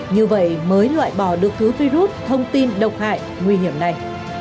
như vậy mới loại bỏ được thứ virus thông tin độc hại nguy hiểm này